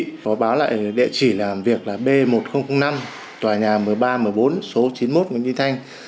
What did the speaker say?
đơn vị có báo lại địa chỉ làm việc là b một nghìn năm tòa nhà một nghìn ba trăm một mươi bốn số chín mươi một nguyễn duy thanh